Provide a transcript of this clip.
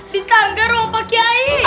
di tangga ruang pak kiai